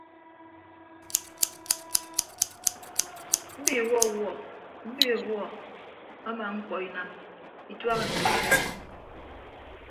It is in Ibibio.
Mbi ọwọwuọ mbi ọwuọ ama mkpọ inam ituaha ntʌkidem.